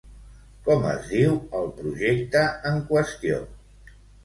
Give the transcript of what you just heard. Com es diu el projecte en qüestió?